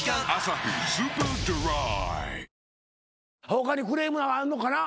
他にクレームあんのかな？